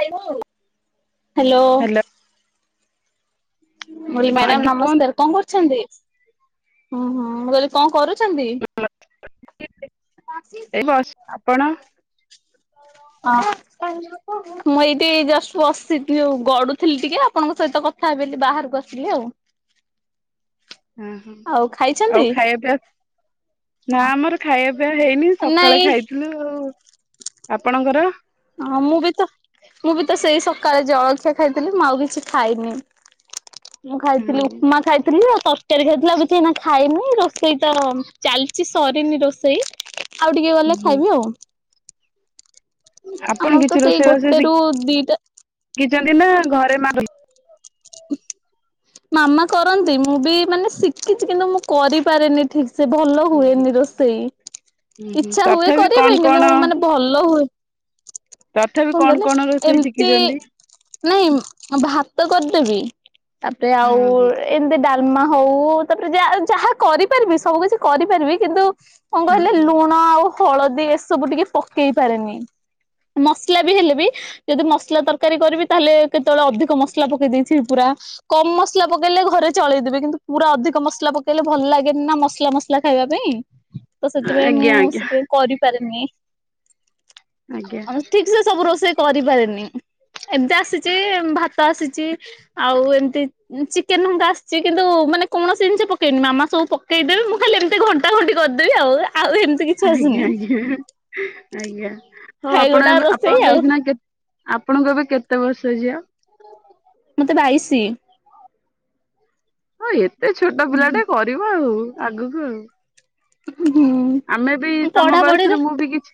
ଖାଇବୁ? ହ୍ୟାଲୋ ମୁଢି ହଁ ମ୍ୟାଡମ୍ ଆଜ୍ଞା କୁହନ୍ତୁ ନମସ୍କାର କଣ କରୁଛନ୍ତି? ହୁଁ ହୁଁ ମୁଁ କହିଲି କଣ କରୁଛନ୍ତି? ଏ ବସ, ଆପଣ? [unintelligible] ମୁଁ ଏଇଠି ଜଷ୍ଟ ବସିଥିଲି ଉ ଗଡୁଥିଲି ଟିକେ ଆପଣଙ୍କ ସହିତ କଥା ହେବି ବୋଲି ବାହାରକୁ ଆସିଲି ଆଉ। [inaudible] ହୁଁ ହୁଁ ଆଉ ଖାଇଛନ୍ତି? ଆଉ ଖାଇଆ ପିଆ? ନା ହଁ ଆମର ଖାଇଆ ପିଆ ହେଇନି ସକାଳେ ନାଇଁ ଖାଇଥିଲୁ ଆଉ। ଆପଣଙ୍କର? ହଁ ମୁଁ ବି ତ ମୁଁ ବି ତ ସେଇ ସକାଳେ ଜଳଖିଆ ଖାଇଥିଲି ମୁଁ ଆଉ କିଛି ଖାଇନି। ମୁଁ ଖାଇଥିଲି ହୁଁ ଉପମା ଖାଇଥିଲି ଆଉ ତରକାରୀ ଖାଇଥିଲି, ଆଉ କିଛି ଏଇନା ମୁଁ ଖାଇନି ରୋଷେଇ ତ ଚାଲିଛି ସରିନି ରୋଷେଇ ଆଉ ଟିକେ ଗଲେ ହୁଁ ଖାଇବି ଆଉ। ଆପଣ ଆମର ତ ସେଇ ଗୋଟେ ରୁ ଦିଟା କିଚନ୍ତି ନା ଘରେ ମାଲି ମାମା କରନ୍ତି ମୁଁ ବି ମାନେ ଶିଖିଛି କିନ୍ତୁ ମୁଁ କରିପାରେନି ଠିକ। ସେ ଭଲ ହୁଁ ହୁଏନି ରୋଷେଇ ହୁଁ ହୁଁ ଇଛା ହୁଏ ତଥାପି କରିବା କଣ ପାଇଁ କଣ କିନ୍ତୁ ମୁଁ ମାନେ ଭଲ ହୁ ତଥାପି କଣ କହିଲେ? ରୋଷେଇ ଏମତି ଶିଖିଛନ୍ତି ନାଇଁ ଭାତ କରିଦେବି ତାପରେ ହଁ ଆଉ ହଁ ଏମିତି ଡାଲମା ହଉ ତାପରେ ଯା ଯାହା କରିପାରିବି ସବୁ କିଛି କରିପାରିବି କିନ୍ତୁ କଣ ହଁ କହିଲେ ହଁ ଲୁଣ ଆଉ ହଳଦୀ ଏସବୁ ଟିକେ ପକେଇ ପାରେନି। ମସ [unintelligible] ହେଲେବି ଯଦି ମସଲା ତରକାରୀ କରିବି ତାହେଲେ କେତେବେଳେ ଅଧିକ ମସଲା ପକେଇ ଦେଇଥିବି ପୁରା। କମ ମସଲା ପକେଇଲେ ଘରେ ଚଳେଇଦବେେ କିନ୍ତୁ ପୁରା ଅଧିକ ମସଲା ପକେଇଲେ ଭଲ ଲାଗେନି ନା ମସଲା ମସଲା ଖାଇବା ପାଇଁ। ତ ସେଥିପାଇଁ ଆଜ୍ଞା ମୁଁ ଆଜ୍ଞା ସେଥିପାଇଁ କରିପାରେନି। ଆଜ୍ଞା। ଆଉ ଠିକ ସେ ସବୁ ରୋଷେଇ କରିପାରେନି ଏମିତି ଆସିଛି ଭାତ ଆସିଛି। ଆଉ ଏମତି ଚିକେନ ନହଙ୍ଗା ଆସିଛି କିନ୍ତୁ ମାନେ କୌଣସି ଜିନିଷ ପକେଇନି ମାମା ସବୁ ପକେଇଦେବେ ମୁଁ ଖାଲି ଏମିତି ଘ ତ ଖଣ୍ଟି କରିଦେବି ଆଉ ଆଉ ଏମିତି [inaudible] ଆଜ୍ଞା ଆସୁନି ଆଜ୍ଞା ଆଜ୍ଞା ହଉ ଆପଣ ହେଇଗୋଟା ଏବେ ରୋଷେଇ ଆପଣଙ୍କ ଆଉ ଏଇକିନା କେ ଆପଣଙ୍କୁ ଏବେ କେତେ ବର୍ଷ ଝିଅ? ମତେ ବାଇଶି। ହଁ ଏତେ ଛୋଟ ପିଲା ଟାଏ କରିବ ଆଉ ଆଗକୁ ଆଉ। ହୁଁ। ଆମେ ବି ତମ ପଢାପଢିରେ ବୟସରୁ ମୁଁ ବି କିଛି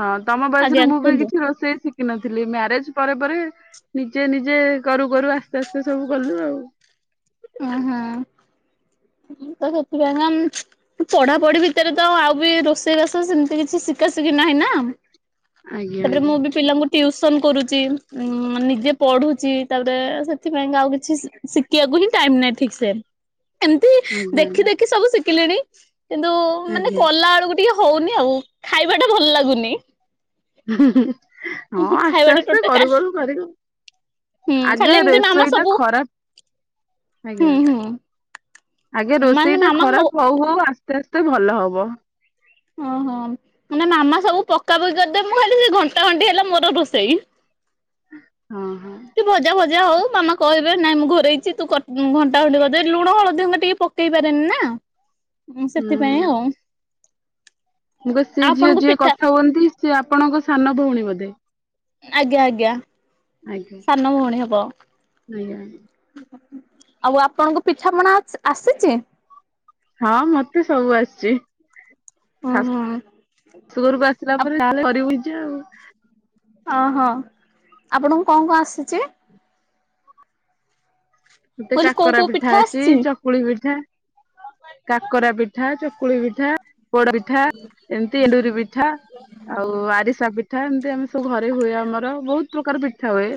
ହଁ ତମ ବୟସରୁ ଆଜ୍ଞା ମୁଁ ବି କୁହନ୍ତୁ କିଛି ରୋଷେଇ ଶି କିି ନଥିଲି ମ୍ୟାରେଜ୍ ପରେ ପରେ ନିଜେ ନିଜେ କରୁ କରୁ ଆସ୍ତେ ଆସ୍ତେ ସବୁ କଲୁ ଆଉ। ଅଁ ହଁ ତ ସେଥିପାଇଁ [inaudible] ଆ ପଢାପଢି ଭିତରେ ତ ଆଉ ବି ରୋଷେଇବାସ ସେମ୍ ତି କିଛି ଶିଖା ଶିଖି ନାହିଁ ନା। ଆଜ୍ଞା ତାପରେ ମୁଁ ଆଜ୍ଞା ବି ପିଲାଙ୍କୁ ଟିଉସନ୍ କରୁଚି ଉଁ ନିଜେ ପଢୁଚି ତାପରେ ସେଥିପାଇଁ କା ଆଉ କିଛି ଶିଖିଆକୁ ହିଁ ଟାଇମ୍ ନାଇଁ ଠିକ୍ ସେ ଏମ୍ ତି ଆଜ୍ଞା ଦେଖି ଦେଖି ସବୁ ଶିଖିଲିଣି କିନ୍ତୁ ମାନେ ଆଜ୍ଞା କଲା ବେଳକୁ ଟିକେ ହଉନି ଆଉ ଖାଇବା ଟା ଭଲ ଲାଗୁନି। ହଁ ଖାଇବା ଆସ୍ତେ ଟା ଆସ୍ତେ ଟୋଟା କରୁ କରୁ କରିବ। ହୁଁ ଖାଲି ଆଗେ ଏମିତି ମାମା ରେଷେଇ ଟା ସବୁ ଖରାପ ହୁଁ ଆଜ୍ଞା ହୁଁ। ଆଗେ ରୋଷେଇ ମାନେ ଟା ମାମା ଖରାପ ହଉ ହଉ ଆସ୍ତେ ଆସ୍ତେ ଭଲ ହବ। ଅହ ମାନେ ମାମା ସବୁ ପକା ପକି କରିଦେବ୍ ମୁଁ ଖାଲି ସେ ଘଣ୍ଟା ଘଣ୍ଟି ହେଲା ମୋର ରୋଷେଇ। ହଁ ହଁ। କି ଭଜା ଭଜା ହଉ ମାମା କହିବେ ନାଇଁ ମୁଁ ଘୋରେଇଚି ତୁ କ ଘଣ୍ଟା ଘଣ୍ଟି କରିଦେ ଲୁଣ ହଳଦୀ ମତେ ଟିକେ ପ କେଇ ପାରେନି ନା ହୁଁ ହୁଁ ସେଥିପାଇଁ ଆଉ। ମୁଁ କହିଲି ସେ ଝିଅ ଆପଣଙ୍କୁ ଯିଏ ପିଠା କଥା ହୁଅନ୍ତି ସିଏ ଆପଣଙ୍କ ସାନ ଭଉଣୀ ବୋଧେ? ଆଜ୍ଞା ଆଜ୍ଞା ଆଜ୍ଞା ସାନ ଭଉଣୀ ହବ। ଆଜ୍ଞା ଆଉ ଆପଣଙ୍କୁ ପିଠାପଣା ଆସ୍ ଆସିଚି? ହଁ ମତେ ସବୁ ଆସିଚି ହୁଁ ଶା ହୁଁ ଶୂ ଘରକୁ ଆସିଲା ପରେ [inaudible] ଯାହା କରିବୁ ନିଜେ ଆଉ। ଅହ ଆପଣଙ୍କୁ କଁ କଁ ଆସିଚି? ମତେ କହିଲି କୋଉ କାକରା କୋଉ ପିଠା ଆସ୍ ଚି ଆସିଛି? ଚ କୁଳି ପିଠା କାକରା ପିଠା ଚକୁଳି ପିଠା ପୋଡ଼ ପିଠା ଏମ୍ ତି ଏଣ୍ଡୁରି ପିଠା ଆଉ ଆରିସା ପିଠା ଏମ୍ ତି ଆମେ ସବୁ ଘରେ ହୁଏ ଆମର ବହୁତ ପ୍ରକାର ପିଠା ହୁଏ।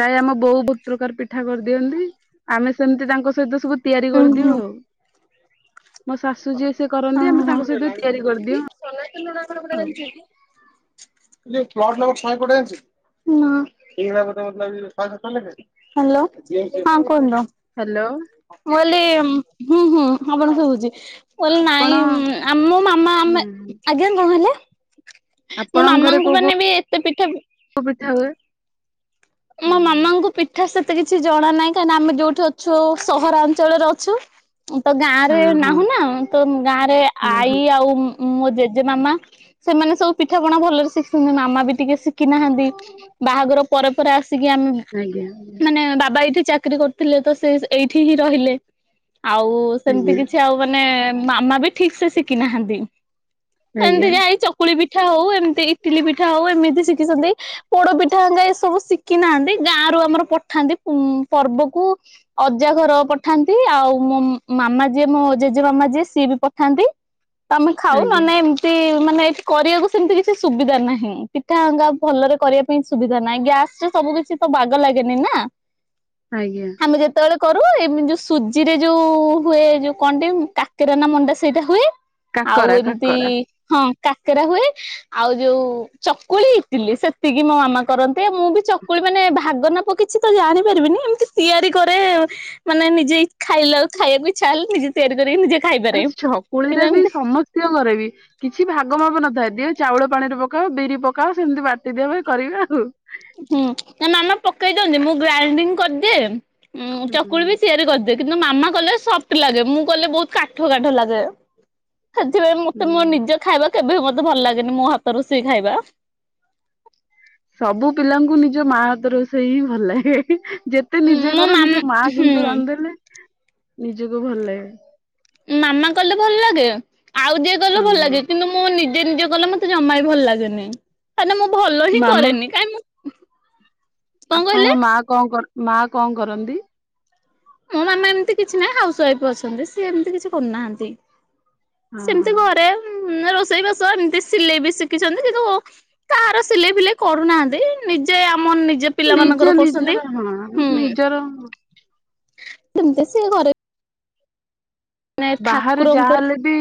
ପ୍ରାୟ ଆମ ବୋଉ ବତ୍ ପ୍ରକାର ପିଠା କରିଦିଅନ୍ତି। ଆମେ ସେମ୍ ତି ତାଙ୍କ ସହିତ ସବୁ ତିଆରି ଉଁ ହୁଁ କରିଦିଅଉ ଆଉ। ମୋ ଶାଶୁ ଯିଏ ସିଏ କରନ୍ତି ଆମେ ହଁ ତାଙ୍କ ସହିତ ତିଆରି କରିଦିଉ ହଁ। ଆଉ [unintelligible] ନାଁ ହାଲୋ ହଁ କୁହନ୍ତୁ। ହାଲୋ। ମୁଁ କଇଲି ହୁଁ ହୁଁ ହାପଣ ଶୁଭୁଚି। ମୁଁ କଲି ଆପଣ ନାଇଁ ଆମ ମାମା ଆମେ ହୁଁ ଆଜ୍ଞା କଁ ହେଲା? ମୋ ମାମାଙ୍କୁ ମାନେ ବି ଏତେ ପିଠା କୋ ପିଠା ହୁଏ? ହଁ ମୋ ମାମାଙ୍କୁ ପିଠା ସେତେ କିଛି ଜଣା ନାହିଁ କାଇଁନା ଆମେ ଯୋଉ ଠି ଅଛୁ ସହରାଞ୍ଚଳରେ ଅଛୁ ତ ଗାଁରେ ହଁ ହଁ ନାହୁଁ ନା ତ ଗାଁରେ ହଁ ଆଈ ହଁ ଆଉଁ ମୋ ଜେଜେ ମାମା ସେମାନେ ସବୁ ପିଠାପଣା ଭଲରେ ଶିଖି୍ସନ୍ତି ମାମା ବି ଟିକେ ଶିଖିନାହାଁନ୍ତି ବାହାଘର ପରେ ପରେ ଆସିକି ଆଜ୍ଞା ଆମେ-ମାନେ ବାବା ଏଇଠି ଚାକିରୀ କରୁ ଥିଲେ ତ ସେ ଏଇଠି ହିଁ ରହିଲେ। ଆଉ ସେମତି ଆଜ୍ଞା କିଛି ଆଉ ମାନେ ମାମା ବି ଠିକସେ ଶିଖିନାହାଁନ୍ତି। ଆଜ୍ଞା ଏମତି ଯାଇ ଏହି ଚକୁଳି ଚକୁଳି ପିଠା ହଉ, ଏମତି ଇଟିଲି ପିଠା ହଉ, ଏମିତି ଶିଖିଛନ୍ତି, ପୋଡ ପିଠା ହେଙ୍କା ଏସବୁ ଶିଖି ନାହାଁନ୍ତି ଗାଁରୁ ଆମର ପଠାନ୍ତି ଉମ୍ ପର୍ବକୁ ଅଜା ଘର ପଠାନ୍ତି, ଆଉ ମୋ ମାମା ଯିଏ ମୋ ଜେଜେ ମାମା ଯିଏ ସିଏ ବି ପଠାନ୍ତି ଆମେ ଖାଉ ଆଜ୍ଞା ନହେନାଇ ଏମତି ମାନେ କରିବାକୁ ସେମତି କିଛି ସୁବିଧା ନାହିଁ ପିଠାଅଙ୍ଗା ଭଲରେ କରିବା ପାଇଁ ସୁବିଧା ନାହିଁ ଗ୍ୟାସ୍ ସ୍ ସବୁ କିଛି ତ ବାଗ ଲାଗେନି ନା। ଆଜ୍ଞା। ଆମେ ଯେତେବେଳେ କରୁ ଏମିତି ଯୋଉ ସୁଜିରେ ଯୋଉ ହୁଏ ଯୋଉ କଣଟି କାକେରା ନା ମଣ୍ଡା ସେଇଟା ହୁଏ ଆଉ କାକରା ଏମତି କାକରା ହଁ। କାକେରା ହୁଏ ଆଉ ଯୋଉ ଚକୁଳି, ଇଟିଲି ସେତିକି ମୋ ମାମା କରନ୍ତି, ମୁଁ ବି ଚକୁଳି ମାନେ ଭାଗନାପ କିଛି ତ ଜାଣିପାରିବିନି ଏମତି ତିଆରି କରେ ମାନେ ନିଜେ ଖାଇଲା ବେଳକୁ ଖାଇଆକୁ ଇଚ୍ଛା ହେଲେ ନିଜେ ତିଆରି କରିକି ନିଜେ ଖାଇପାରେ କିନ୍ତୁ ଏମତି ନିଜ ଘରେ ବି। କିଛି ଭାଗ ମାପ ନଥାଏ ଦିଏ ଚାଉଳ ପାଣିରେ ପକାଅ, ବିରି ପକାଅ, ସେମତି ବାଟି ଦେବେ କରିବେ ଆଉ। ହୁଁ ନା ମାମା ପକେଇ ଦିଅନ୍ତି ମୁଁ ଗ୍ରାଇଡିଙ୍ଗ କରିଦିଏ, ହୁଁ ଚକୁଳି ବି ସିଏ ବି କରିଦି ଦେ କିନ୍ତୁ ମାମା କଲେ ସଫ୍ଟ ଲାଗେ ମୁଁ କଲେ ବହୁତ କାଠୁଆ କାଠୁଆ ଲାଗେ। ସେଥିପାଇଁ ମତେ ମୋ ହୁଁ ନିଜେ ଖାଇବା କେବେ ବି ମତେ ଭଲ ଲାଗେନି ମୋ ହାତ ରୋଷେଇ ଖାଇବା। ସବୁ ପିଲାଙ୍କୁ ନିଜ ମା ହାତ ରୋଷେଇ ହିଁ ଭଲ ଲାଗେ ଯେତ ଯେତେ ନିଜେ ମୋ କର ମାମ ନିଜ ମା ହୁଁ କିନ୍ତୁ ରାନ୍ଧିଦେଲେ ନିଜକୁ ଭଲ ଲାଗେ। ମାମା କଲେ ଭଲ ଲାଗେ, ଆଉ ଯିଏ କଲେ ହଁ। ଭଲ ଲାଗେ। କିନ୍ତୁ ମୁଁ ନିଜେ ନିଜେ କଲେ ମତେ ଜମା ବି ଭଲ ଲାଗେନି କାହିଁକିନା ମୁଁ ଭଲ ହିଁ ମାମା କରେନି କାଇଁ ମୁଁ କଣ କହିଲେ ଆପଣଙ୍କ ମା କଣ ମା କଣ କରନ୍ତି? ମୋ ମାମା ଏମିତି କିଛି ନାହିଁ ହାଉସ ୱାଇଫ୍ ଅଛନ୍ତି ସିଏ ଏମିତି କିଛି କରୁନାହାନ୍ତି। ହଁ ସେମିତି ହଁ ଘରେ ରୋଷେଇ ବାସ ଏମିତି ସିଲେଇ ବି ଶିଖିଛନ୍ତି କିନ୍ତୁ କାହାର ସିଲେଇ ଫିଲେଇ କରୁନାହାନ୍ତି ନିଜେ ଆମର ନିଜେ ପିଲାମାନଙ୍କର ନିଯେ କରୁଛନ୍ତି। ନିଜର ହଁ ହୁଁ ନିଜର ଏମିତି ସିଏ ଘରେ ବାହାରେ ଯାହା ଠାକୁରଙ୍କର ହେଲେ ବି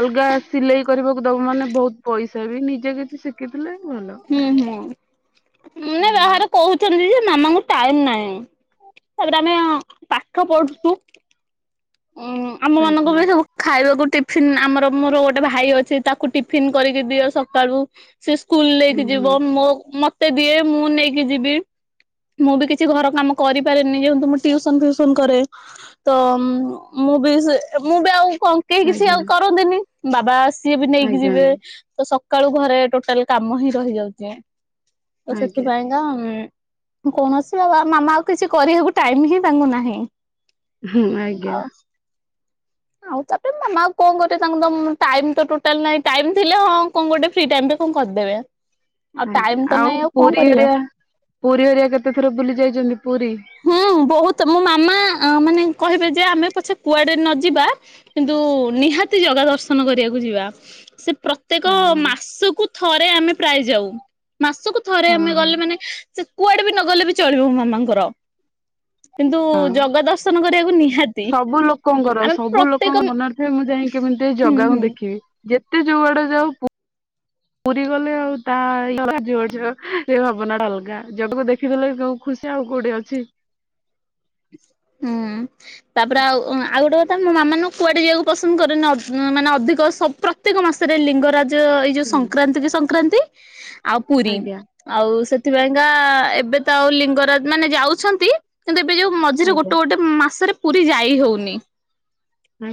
ଅଲଗା ସିଲେଇ କରିବାକୁ ଦବୁ ମାନେ ବହୁତ ପଇସା ବି ନିଜେ କିଛି ସିକ୍ ଶିଖିଥିଲେ ଭଲ। ହୁଁ, ହୁଁ ମୁନି ହୁଁ ବାହାରେ କହୁଛି ଛନ୍ତି ଯେ ମାମାଙ୍କୁ ଟାଇମ ନାହିଁ ତାପରେ ଆମେ ପାଠ ପଢୁଛୁ। ଉଁ ଆମ ମାନଙ୍କ ଆଜ୍ଞା ପାଇଁ ସବୁ ଖାଇବାକୁ ଟିଫିନ ଆମର ମୋର ଗୋଟେ ଭାଇ ଅଛି ତାକୁ ଟିଫିନ କରିକି ଦିଅ ସକାଳୁ ସେ ସ୍କୁଲ ହୁଁ ନେଇକି ଯିବ ହୁଁ ମୋ ମତେ ଦିଏ ମୁଁ ନେଇକି ଯିବି। ମୁଁ ବି କିଛି ଘର କାମ କରିପାରିନି ଯେହେତୁ ମୁଁ ଟିଉସନ ଫିଉସନ କରେ ତ ମୁଁ ବି ସେ ମୁଁ ବି କଣ କେଇ କିଛି ଆଜ୍ଞା ଆଉ କରନ୍ତିନି। ବାବା ସିଏ ବି ନେଇକି ଆଜ୍ଞା ଯିବେ ତ ସକାଳୁ ଘରେ ଟୋଟାଲ କାମ ହିଁ ରହିଯାଉଛି। ତ ଆଜ୍ଞା। ସେଥିପାଇଁ ତ କୌଣସି ବାବା ମାମା ଆଉ କିଛି କରିବାକୁ ଟାଇମ ହିଁ ତାଙ୍କୁ ନାହିଁ। ହୁଁ ଆଜ୍ଞା। ଆଉ ଆଉ ତାପରେ ମାମା କଣ କରବେ ତାଙ୍କୁ ତ ଟାଇମ ତ ଟୋଟାଲ ନାଇଁ ଟାଇମ ଥିଲେ ହଁ କଣ ଗୋଟେ ଫ୍ରି ଟାଇମରେ କଣ କରିଦେବେ। ଆଉ ଟାଇମ ଆଜ୍ଞା ତ ଆଉ ନାଇଁ କଣ ପୁରୀ କରିବେ। ଏରିଆ ପୁରୀ ଏରିଆ କେତେ ଥର ବୁଲି ଯାଇଛନ୍ତି ପୁରୀ? ହୁଁ ବହୁତ ମୋ ମାମା ମାନେ କହିବେ ଯେ ଆମେ ପଛେ କୁଆଡେ ନ ଯିବା କିନ୍ତୁ ନିହାତି ଜଗା ଦର୍ଶନ କରିବାକୁ ଯିବା। ସେ ପ୍ରତ୍ୟେକ ହଁ ମାସକୁ ଥରେ ଆମେ ପ୍ରାୟ ଯାଉ। ମାସକୁ ଥରେ ହଁ ଆମେ ହଁ ଗଲେ ମାନେ ସେ କୁଆଡେ ବି ନଗଲେ ବି ଚଳିବ ମୋ ମାମାଙ୍କର। କିନ୍ତୁ ହଁ। ଜଗା ଦର୍ଶନ କରିବାକୁ ନିହାତି ସବୁ ଲୋକଙ୍କର ଆମେ ସବୁ ପ୍ରତ୍ୟେକ ଲୋକଙ୍କ ମନରେ ଥାଏ ମୁଁ ଯାଇ କେମିତି ଏ ହୁଁ ଜାଗାକୁ ହୁଁ ଦେଖିବି, ଯେତେ ଯୋଉଆଡେ ଯାଉ ପୁ ପୁରୀ ଗଲେ ଆଉ ତା [unintelligible] ଭାବନା ଟା ଅଲଗା। ଜଗାକୁ ଦେଖିଦେଲେ ଖୁସି ଆଉ କୋଉଠି ଅଛି। ହୁଁ ତାପରେ ଆଉ ଆଉ ଗୋଟେ କ ଥା ମୋ ମାମାନଙ୍କୁ କୁଆଡେ ଯିବାକୁ ପସନ୍ଦ କରେନା ଅଧ ମାନେ ଅଧିକ ସବୁ ପ୍ରତ୍ୟେକ ମାସରେ ଲିଙ୍ଗରାଜ ଏଯ ଏଇ ଯୋଉ ହୁଁ ସଂକ୍ରାନ୍ତି କି ସଂକ୍ରାନ୍ତି ଆଉ ପୁରୀ। ଆଜ୍ଞା ଆଉ ସେଥିପାଇଁକା ଏବେ ତ ଆଉ ଲିଙ୍ଗରାଜ ମାନେ ଯାଉଛନ୍ତି। କିନ୍ତୁ ଏବେ ଯୋଉ ମଝିରେ ଆଜ୍ଞା ଗୋଟେ ଗୋଟେ ମାସରେ ପୁରୀ ଯାଇ ହଉନି।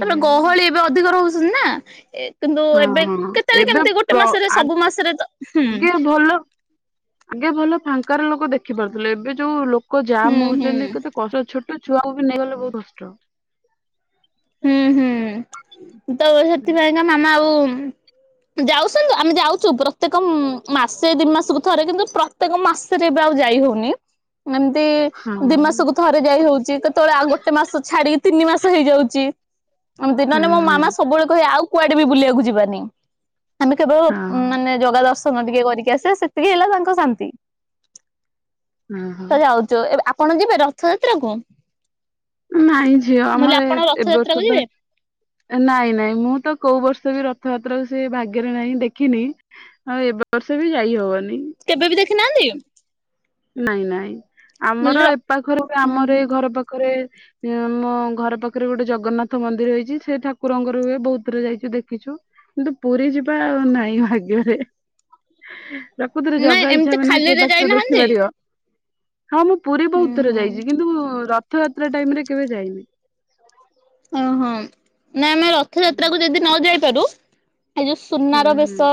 ତାଲେ ଗହଳି ଏବେ ଅଧିକ ରହୁଛନ୍ତି ନା ଏ କିନ୍ତୁ ହଁ ଏବେ ହଁ କେତେବେଳେ ଏବେ କେମିତି ଗୋଟେ ପ୍ର ମାସରେ ସବୁ ମାସରେ ତ ହୁଁ। ଆଗେ ଭଲ ଆଗେ ଭଲ ଫାଙ୍କାର ଲୋକ ଦେଖିପାରୁଥିଲେ ଏବେ ଯୋଉ ଲୋକ ହୁଁ ଜାମ ହୁଁ ହଉଛନ୍ତି କେତେ କଷ୍ଟ ଛୋଟ ଛୋଟ ଛୁଆକୁ ବି ନେଇକି ଗଲେ ବହୁତ କଷ୍ଟ। ହୁଁ ହୁଁ ତ ସେଥିପାଇଁ କିନା ମାମା ଆଉ [unintelligible] ଆମେ ଯାଉଛୁ ପ୍ରତ୍ୟେକ ମ ମାସେ ଦିଇ ମାସକୁ ଥରେ କିନ୍ତୁ ପ୍ର ତ୍ୟେକ ମାସରେ ଏବେ ଆଉ ଯାଇ ହଉନି। ଏମିତି ହଁ ଦି ମାସକୁ ଥରେ ଯାଇ ହଉଚି। କେତେବେଳେ ଆଉ ଗୋଟେ ମାସ ଛାଡିକି ତିନି ମାସ ହେଇଯାଉଚି। ହଁ ଦିନମାନେ ମୋ ମାମା ହଁ ସବୁବେଳେ କହିବେ ଆଉ କୁଆଡେ ବି ବୁଲିବାକୁ ଯିବାନି। ଆମେ କେବଳ ହଁ ମାନେ ଜଗା ଦର୍ଶନ ଟିକେ କରିକି ଆସିବା ସେତିକି ହେଲା ତାଙ୍କ ଶାନ୍ତି। ହୁଁ ହୁଁ। ତ ଯାଉଚୁ। ଏବେ ଆପଣ ଯିବେ ରଥଯାତ୍ରା କୁ? ନାଇଁ ଝିଅ ମୁଁ କହିଲି ଆମର ଏ ଆପଣ ରଥଯାତ୍ରା କୁ ଏବର୍ଷ ତ ଯିବେ? ନାଇଁ ନାଇଁ ମୁଁ ତ କୋଉ ବର୍ଷ ବି ରଥଯାତ୍ରାକୁ ସେ ଭାଗ୍ୟରେ ନାହିଁ ଦେଖିନି। ଆଉ ଏବ ବର୍ଷ ବି ଯାଇ ହବନି। କେବେ ବି ଦେଖିନାହାନ୍ତି? ନାଇଁ ନାଇଁ ମୁଁ ଆମର କହିଲି ର ଏ ପାଖରେ ହୁଁ ଆମର ହୁଁ ଏ ଘର ପାଖରେ ଏ ମୋ ଘର ପାଖରେ ଗୋଟେ ଜଗନ୍ନାଥ ମନ୍ଦିର ହେଇଚି ସେ ଠାକୁରଙ୍କର ହୁଏ ବହୁତ ଥର ଯାଇଚୁ ଦେଖିଚୁ। କିନ୍ତୁ ପୁରୀ ଯିବା ଆଉ ନାଇଁ ଭାଗ୍ୟରେ। ପ୍ରକୃତ ରେ ନାଇଁ ଜଗା ଇଚ୍ଛା ଏମିତି ବିନା କିଏ ଖାଲିରେ ତାକୁ ଦେଖି ଯାଇନାହାନ୍ତି? ହଁ ମୁଁ ପୁରୀ ହୁଁ ବହୁତ ଥର ହୁଁ। ଯାଇଚି କିନ୍ତୁ ମୁ ରଥଯାତ୍ରା ଟାଇମ ରେ କେବେ ଯାଇନି। ଓ ହୋ ନା ଆମେ ରଥଯାତ୍ରା କ ହୁଁ ଯଦି ନ ଯାଇପାରୁ ଆ ଯୋଉ ସୁ ସୁନାର ହୁଁ ବେଶ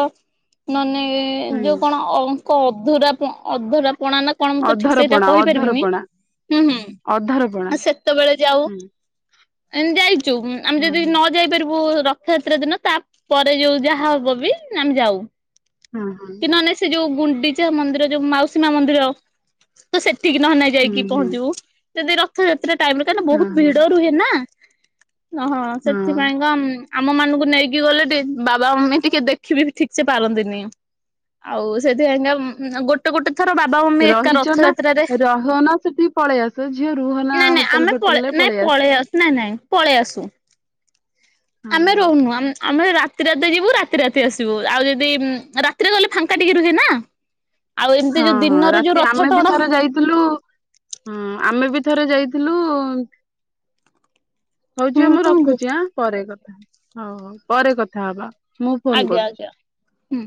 ନନେ ହୁଁ ଯୋଉ କଣ ଅଙ୍କ ଅଧୁରା ଅଧୁରା ପଣା ନା କଣ ମୁଁ ତ ଠିକ ସେଇଟା ଅଧରପଣା କହିପାରିବିନି ଅଧରପଣା ହୁଁ ଅଧରପଣା। ହୁଁ ସେତେବେଳେ ଯାଉ। ହୁଁ ଆମେ ଯାଇଚୁ ଆମେ ହଁ ଯଦି ହଁ ନ ଯାଇପାରିବୁ ରଥଯାତ୍ରା ଦିନ ତାପରେ ଯୋଉ ଯାହା ହବ ବି ଆମେ ଯାଉ। ଉଁ ହୁଁ ହୁଁ। କି ନହଲେ ସେ ଯୋଉ ଗୁଣ୍ଡିଚା ମନ୍ଦିର ଯୋଉ ମାଉସୀମା ମନ୍ଦିର ତ ସେଠିକି ନହେଲେ ହୁଁ ଯାଇକି ହୁଁ ପହଞ୍ଚିବୁ ଯଦି ରଥଯାତ୍ରା ଟାଇମ ରେ କାଇଁ ନା ହଁ ବହୁତ ଭିଡ ହଁ ରୁହେ ନା। ଅଁ ହଁ ସେଥିପାଇଁ କା ଉଁ ଆମ ମାନଙ୍କୁ ନେଇକି ଗଲେ ଟି ବାବା ମମି ଟିକେ ଦେଖିବି ଠିକ ସେ ପାରନ୍ତିନି। ଆଉ ସେଇଥିପାଇଁ କା ଉଁ ଗୋଟ ଟେ ଗୋଟେ ଥର ବାବା ମମି ଏକା ରହିଛ ନା ରଥଯାତ୍ରାରେ ରହନା ସେଠିକି ପଳେଇ ଆସ ଝିଅ ରୁହନା ନାଇଁ ନାଇଁ ହୋଟେଲ ଆମେ ଫୋଟେଲ ପଳେ ରେ ନାଇଁ ଆସ। ପଳେଇ ଆସୁ ନାଇଁ ନାଇଁ ପଳେଇ ଆସୁ। ହଁ ଆମେ ହଁ ରହୁନୁ ଆମେ ଆମେ ରାତ ରାତି ରାତି ଯିବୁ ରାତି ରାତି ଆସିବୁ ଆଉ ଯଦି ଉଁ ରାତିରେ ଗଲେ ଫାଙ୍କା ଟିକେ ରୁହେ ନା। ଆଉ ଏମିତି ହଁ ଯୋଉ ହଁ ଦିନରେ ଯୋଉ ରାତି ରଥ ଆମେ ବି ଟଣା ଥରେ ଯାଇଥିଲୁ ହୁଁ ଆମେ ବି ଥରେ ଯାଇଥିଲୁ ଉଁ ହଉ ହୁଁ ଝିଅ ମୁଁ କୁହନ୍ତୁ ରଖୁଚି ଆଁ ପରେ କଥା ହ ଅ ହଉ ପରେ କଥା ହବା। ମୁଁ ଫୋନ କରୁଛି। ଆଜ୍ଞା ଆଜ୍ଞା ହୁଁ।